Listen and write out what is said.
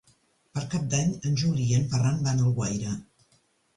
Per Cap d'Any en Juli i en Ferran van a Alguaire.